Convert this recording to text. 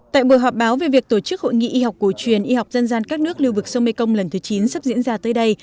tại buổi họp báo về việc tổ chức hội nghị y học cổ truyền y học dân gian các nước lưu vực sông mekong lần thứ chín sắp diễn ra tới đây